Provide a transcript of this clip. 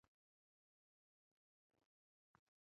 مخکې له دې چې هغه خبره پای ته ورسوي